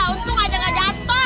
untung aja gak jatoh